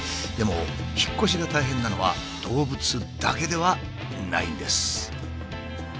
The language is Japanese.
でも引っ越しが大変なのは動物だけではないんです。